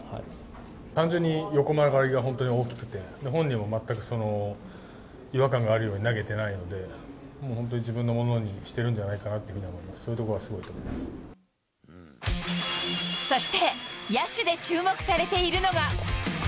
単純に横曲がりが本当に大きくて、本人も全く、違和感があるように投げてないので、もう本当に自分のものにしてるんじゃないかなというふうに思います、そういうところがすごいそして、野手で注目されているのが。